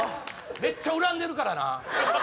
めっちゃ恨んでるからな！